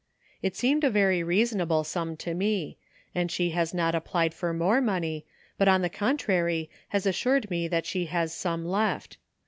It seemed a very reasonable sum to me, and she has not applied for more money, but on the contrary has assured me that she has some left.